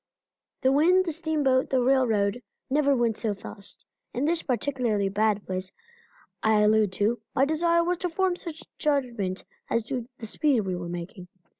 The wind, the steamboat, the railroad, never went so fast. In this particularly bad place I allude to, my desire was to form some judgment as to the speed we were making.